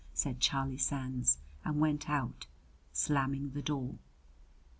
'" said Charlie Sands, and went out, slamming the door.